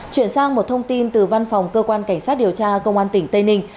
chuyển sang một thông tin từ văn phòng cơ quan cảnh sát điều tra công an tỉnh tây ninh